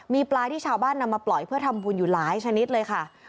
มีปลาที่ชาวบ้านนำมาปล่อยเพื่อทำบุญอยู่หลายชนิดเลยค่ะ